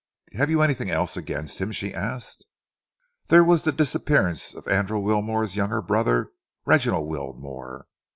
"Have you anything else against him?" she asked. "There was the disappearance of Andrew Wilmore's younger brother, Reginald Wilmore.